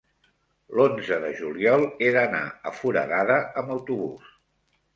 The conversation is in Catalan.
l'onze de juliol he d'anar a Foradada amb autobús.